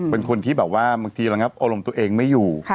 เป็นคนที่บอกว่าบางทีอารมณ์ตัวเองไม่อยู่